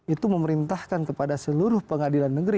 itu memerintahkan kepada seluruh pengadilan negeri